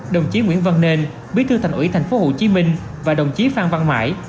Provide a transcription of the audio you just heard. đồng chí nguyễn văn nền bí thư thành ủy thành phố hồ chí minh và đồng chí phan văn mãi